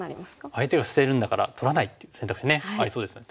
相手が捨てるんだから取らないっていう選択肢ねありそうですよね。